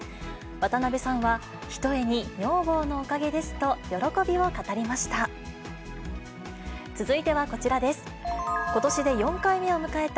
渡辺さんはひとえに女房のおかげですと、喜びを語りました。